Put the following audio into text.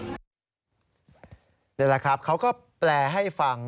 นี่แหละครับเขาก็แปลให้ฟัง